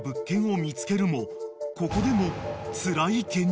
［ここでも］